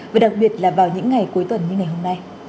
và đặc biệt là vào những ngày cuối tuần như ngày hôm nay